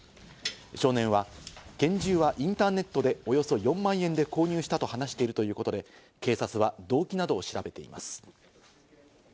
少年は、拳銃はインターネットでおよそ４万円で購入したと話しているということで、警察は動機などを調べています。